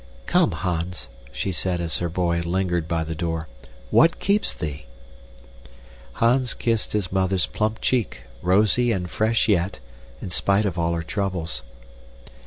"Comes, Hans," she said as her boy lingered by the door. "What keeps thee?" Hans kissed his mother's plump cheek, rosy and fresh yet, in spite of all her troubles.